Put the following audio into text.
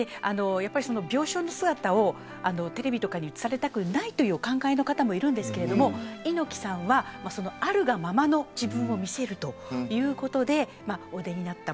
病床の姿をテレビとかに映されたくないというお考えの方もいるんですけど猪木さんはあるがままの自分を見せるということで、お出になった。